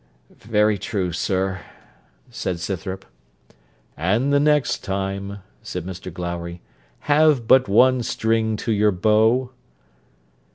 'Very true, sir,' said Scythrop. 'And the next time,' said Mr Glowry, 'have but one string to your bow.'